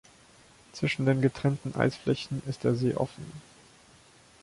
Zwischen den getrennten Eisflächen ist der See offen.